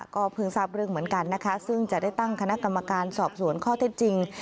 ก็เพิ่งทราบเรื่องเหมือนกันนะคะซึ่งจะได้ตั้งคณะกรรมการสอบสวนข้อเท็จจริง